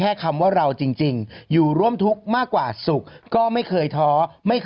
อึกอึกอึกอึกอึกอึกอึกอึกอึกอึก